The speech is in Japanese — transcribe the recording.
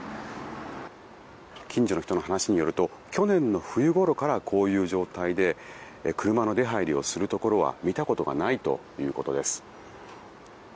近所の人の話によると去年の冬ごろからこういう状態で車の出入りをするところは見たことがないということです。